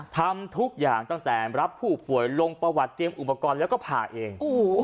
ทำทุกอย่างตั้งแต่รับผู้ป่วยลงประวัติเตรียมอุปกรณ์แล้วก็ผ่าเอง